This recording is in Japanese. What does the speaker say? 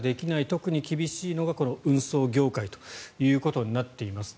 特に厳しいのがこの運送業界ということになっています。